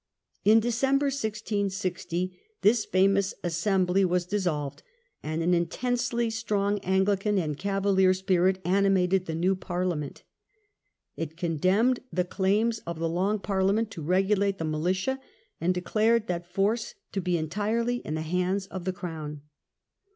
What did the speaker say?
In December, 1660, this famous Assembly was dis solved, and an intensely strong Anglican and Cavalier The "Cava Spirit animated the new Parliament. It con ment,^66r *' demned the claims of the Long Parliament 1679. ' to regulate the militia, and declared that force to be entirely in the hands of the crown.